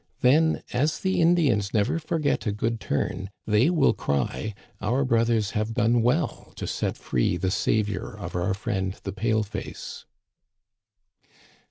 Then, as the Indians never forget a good turn, they will cry, * Our brothers have done well to set free the savior of our friend the pale face